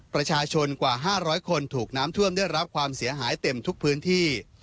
ประชาชนกว่า๕๐๐คนถูกน้ำท่วมได้รับความเสียหายเต็มทุกพื้นที่